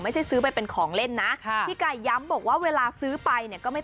ซื้อไปเป็นของเล่นนะพี่ไก่ย้ำบอกว่าเวลาซื้อไปเนี่ยก็ไม่